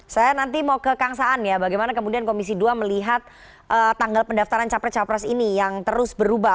saya nanti mau ke kang saan ya bagaimana kemudian komisi dua melihat tanggal pendaftaran capres capres ini yang terus berubah